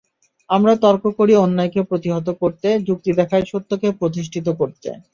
আমরা তর্ক করি অন্যায়কে প্রতিহত করতে, যুক্তি দেখাই সত্যকে প্রতিষ্ঠিত করতে।